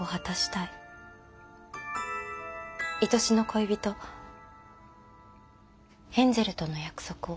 いとしの恋人ヘンゼルとの約束を。